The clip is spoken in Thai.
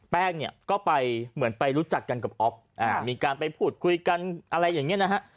แยกเนี่ยก็ไปเหมือนไปรู้จักกันกับมีการไปพูดคุยกันอะไรยังไงนะ